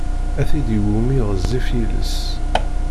A tid iwumi ɣezzif yiles!